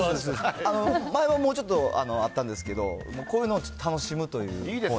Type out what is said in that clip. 前はもうちょっとあったんですけど、こういうのをちょっと楽しむというコーナーで。